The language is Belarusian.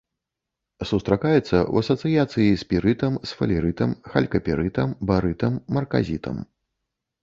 Сустракаецца ў асацыяцыі з пірытам, сфалерытам, халькапірытам, барытам, марказітам.